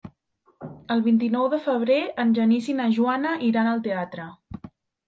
El vint-i-nou de febrer en Genís i na Joana iran al teatre.